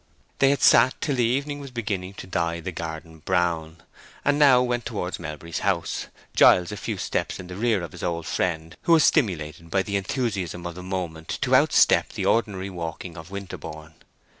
They had sat till the evening was beginning to dye the garden brown, and now went towards Melbury's house, Giles a few steps in the rear of his old friend, who was stimulated by the enthusiasm of the moment to outstep the ordinary walking of Winterborne.